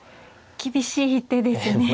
厳しい一手ですね。